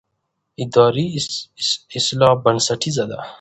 اداري اصلاح بنسټیزه ده